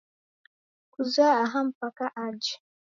Kuzoya aha mpaka aje